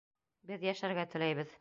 Беҙ йәшәргә теләйбеҙ.